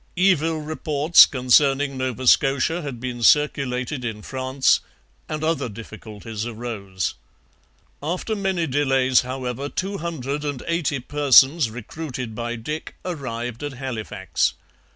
Evil reports concerning Nova Scotia had been circulated in France, and other difficulties arose. After many delays, however, two hundred and eighty persons recruited by Dick arrived at Halifax.